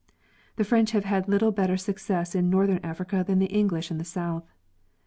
The French have had little better success in northern Africa than the English in the south.